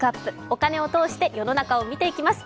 お金を通して世の中を見ていきます。